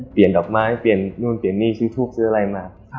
เปลี่ยนดอกไม้เปลี่ยนนู่นเปลี่ยนหนี้ซื้อทูปซื้ออะไรมาอ่า